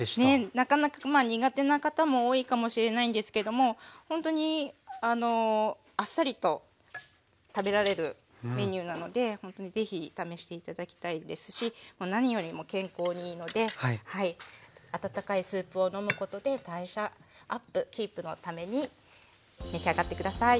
なかなか苦手な方も多いかもしれないんですけどもほんとにあっさりと食べられるメニューなのでほんとに是非試して頂きたいですし何よりも健康にいいので温かいスープを飲むことで代謝アップキープのために召し上がって下さい。